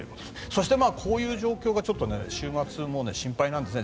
そして、こういう状況が週末も心配なんですね。